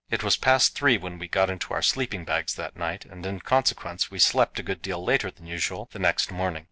It was past three when we got into our sleeping bags that night, and, in consequence, we slept a good deal later than usual the next morning.